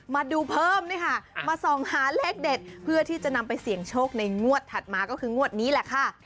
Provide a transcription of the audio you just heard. มาดูเพิ่มด้วยค่ะมาส่องหาเลขเด็ดเพื่อที่จะนำไปเสี่ยงโชคในงวดถัดมาก็คืองวดนี้แหละค่ะ